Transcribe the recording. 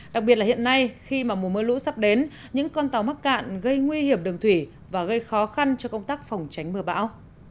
đặc biệt là hiện nay khi mà mùa mưa lũ sắp đến những con tàu mắc cạn gây nguy hiểm đường thủy và gây khó khăn cho công tác phòng tránh mưa bão